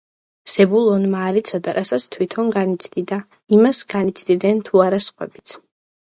ზებულონმა არ იცოდა, რასაც თვითონ განიცდიდა, იმას განიცდიდნენ თუ არა სხვებიც